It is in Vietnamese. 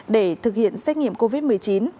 để thực hiện xét nghiệm covid một mươi chín